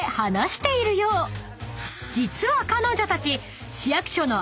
［実は彼女たち］